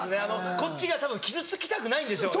こっちがたぶん傷つきたくないんでしょうね。